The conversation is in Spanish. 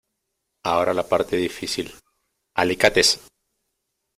Ahora la parte difícil. ¡ Alicates!